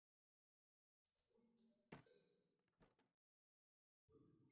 যশবন্ত সিং জিন্নাহকে "মহান ব্যক্তি" হিসেবে আখ্যায়িত করেছেন।